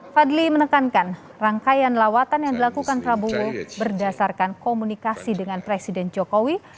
fadli menekankan rangkaian lawatan yang dilakukan prabowo berdasarkan komunikasi dengan presiden jokowi